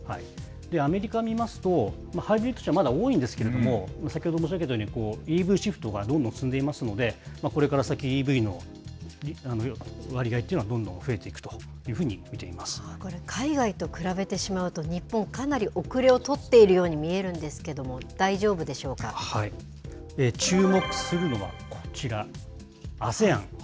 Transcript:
アメリカを見ますと、ハイブリッド車、まだ多いんですけれども、先ほど申し上げたように、ＥＶシフトがどんどん進んでいますので、これから先、ＥＶの割合っていうのは、どんどん増えていくという海外と比べてしまうと、日本、かなり後れを取っているように見えるんですけども、大丈夫でしょ注目するのはこちら、ＡＳＥＡＮ。